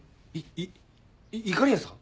いいかりやさん？